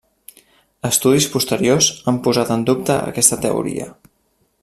Estudis posteriors han posat en dubte aquesta teoria.